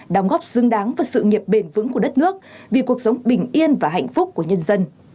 đóng góp xứng đáng vào sự nghiệp bền vững của đất nước vì cuộc sống bình yên và hạnh phúc của nhân dân